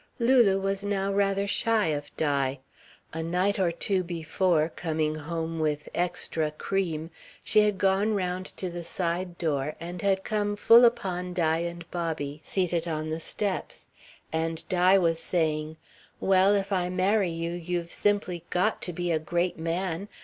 Lulu was now rather shy of Di. A night or two before, coming home with "extra" cream, she had gone round to the side door and had come full upon Di and Bobby, seated on the steps. And Di was saying: "Well, if I marry you, you've simply got to be a great man.